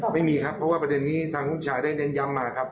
ไม่มีครับเพราะว่าประเด็นนี้ทางลูกชายได้เน้นย้ำมาครับ